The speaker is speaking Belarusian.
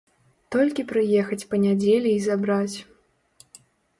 Толькі прыехаць па нядзелі й забраць.